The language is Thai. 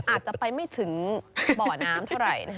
อาจจะไปไม่ถึงบ่อน้ำเท่าไหร่